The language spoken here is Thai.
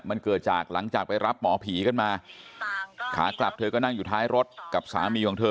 มันเกิดจากหลังจากไปรับหมอผีกันมาขากลับเธอก็นั่งอยู่ท้ายรถกับสามีของเธอ